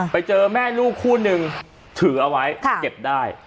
ไปเจอแม่ลูกคู่นึงถือเอาไว้เก็บได้